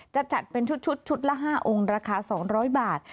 จะจัดเป็นชุดชุดละ๕องค์ราคา๒๐๐บาท